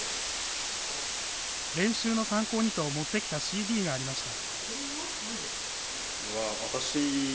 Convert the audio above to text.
練習の参考にと持ってきたＣＤがありました。